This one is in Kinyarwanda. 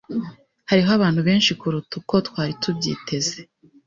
Hariho abantu benshi kuruta uko twari tubyiteze.